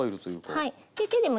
はい。